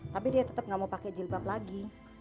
tapi dia tetap nggak mau pakai jilbab lagi